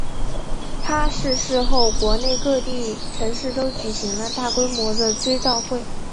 他逝世后国内各地城市都举行了大规模的追悼会。